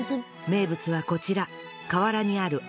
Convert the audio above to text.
名物はこちら